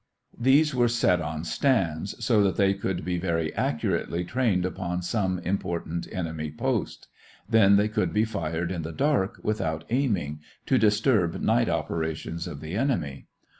These were set on stands so that they could be very accurately trained upon some important enemy post. Then they could be fired in the dark, without aiming, to disturb night operations of the enemy.